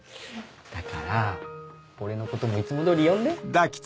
だから俺のこともいつも通り呼んで。